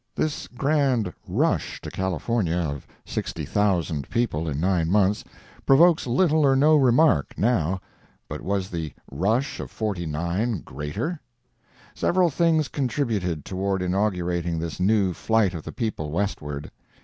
This grand "rush" to California of 60,000 people in nine months provokes little or no remark, now—but was the "rush" of '49 greater? Several things contributed toward inaugurating this new flight of the people westward.